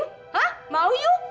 hah mau you